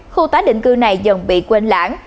khu tái định cư này dần bị quên lãng